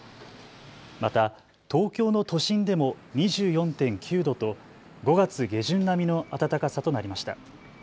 また東京の都心でも２４．９度と５月下旬並みの暖かさとなりました。